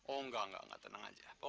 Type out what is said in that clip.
oh enggak enggak tenang aja